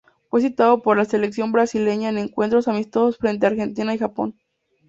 Fue citado por la selección brasileña en encuentros amistosos frente a Argentina y Japón.